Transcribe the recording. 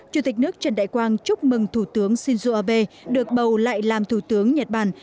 chủ tịch nước trần đại quang chúc mừng thủ tướng shinzo abe được bầu lại làm thủ tướng nhật bản